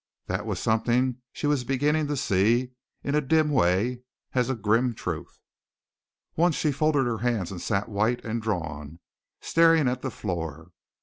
That was something she was beginning to see in a dim way as a grim truth. Once she folded her hands and sat white and drawn, staring at the floor.